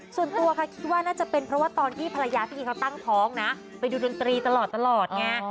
ส่วนตัวค่ะคิดว่าน่าจะเป็นเพราะว่าตอนที่ภรรยาพี่อีเขาตั้งท้องนะไปดูดนตรีตลอดไง